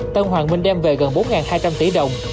tân hoàng minh đem về gần bốn hai trăm linh tỷ đồng